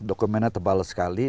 dokumennya tebal sekali